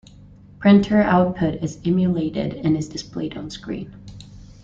Printer output is emulated and is displayed on screen.